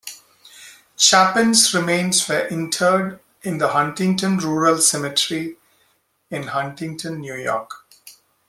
Chapin's remains were interred in the Huntington Rural Cemetery in Huntington, New York.